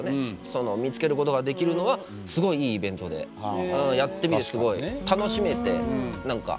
その見つけることができるのはすごいいいイベントでやってみてすごいベッキーは改めてどうですか？